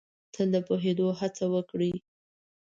تل د پوهېدو هڅه وکړ ئ